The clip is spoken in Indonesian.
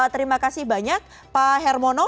terima kasih banyak pak hermono